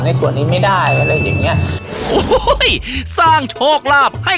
ในส่วนนี้ไม่ได้อะไรอย่างเงี้ยโอ้โหสร้างโชคลาภให้